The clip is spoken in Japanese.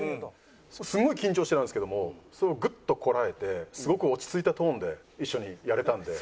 すごい緊張してたんですけどもそれをグッとこらえてすごく落ち着いたトーンで一緒にやれたんで。